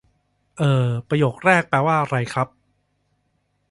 เอ่อ ประโยคแรกแปลว่าไรครับ?